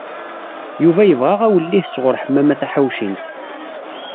Yuba yebɣa awellih sɣur Ḥemmama Taḥawcint.